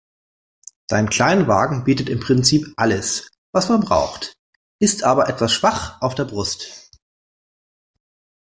Dein Kleinwagen bietet im Prinzip alles, was man braucht, ist aber etwas schwach auf der Brust.